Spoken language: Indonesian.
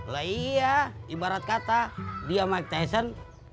lah iya ibarat kata dia mike tyson